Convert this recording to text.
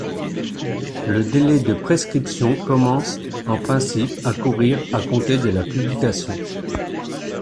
Le délai de prescription commence en principe à courir à compter de la publication.